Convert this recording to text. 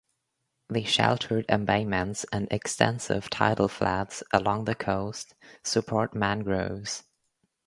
The sheltered embayments and extensive tidal flats along the coast support mangroves.